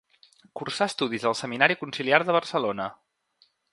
Cursà estudis al Seminari Conciliar de Barcelona.